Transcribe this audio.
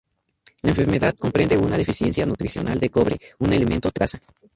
La enfermedad comprende una deficiencia nutricional de cobre, un elemento traza.